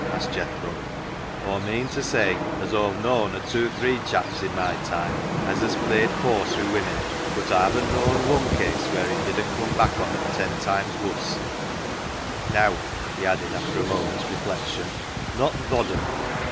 asked Jethro. " Aw meean to say as Aw've known a tooathre [two or three] chaps i' my time as hez played fawse wi' women, but Aw hav'n't known wun case wheer it didn't cum back on 'em ten times wus. Neaw," he added, after a moment's reflec tion, " not th' odd un."